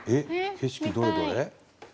景色どれどれ？